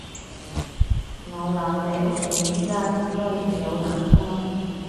我諗你屋企而家應該遇到難關